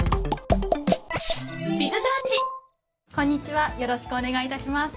こんにちはよろしくお願いいたします。